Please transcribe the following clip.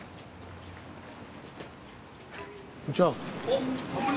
こんにちは。